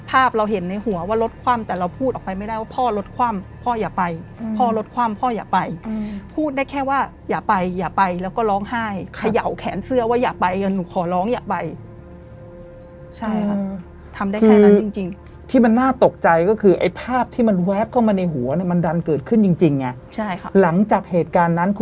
ภาพเราเห็นในหัวว่ารถคว่ำแต่เราพูดออกไปไม่ได้ว่าพ่อรถคว่ำพ่ออย่าไปพ่อรถคว่ำพ่ออย่าไปพูดได้แค่ว่าอย่าไปอย่าไปแล้วก็ร้องไห้เขย่าแขนเสื้อว่าอย่าไปหนูขอร้องอย่าไปใช่ค่ะทำได้แค่นั้นจริงจริงที่มันน่าตกใจก็คือไอ้ภาพที่มันแวบเข้ามาในหัวเนี่ยมันดันเกิดขึ้นจริงจริงไงใช่ค่ะหลังจากเหตุการณ์นั้นก